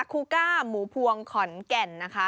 ครูก้าหมูพวงขอนแก่นนะคะ